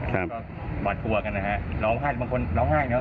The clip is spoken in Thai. ก็หวาดกลัวกันนะฮะร้องไห้บางคนร้องไห้ครับ